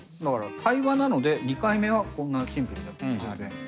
対話なので２回目はこんなシンプルでも全然大丈夫。